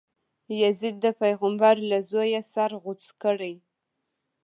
یزید د پیغمبر له زویه سر غوڅ کړی.